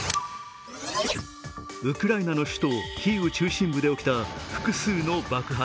ウクライナの首都・キーウ中心で起きた複数の爆発。